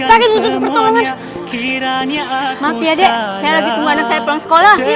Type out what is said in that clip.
saya lagi tunggu anak saya pulang sekolah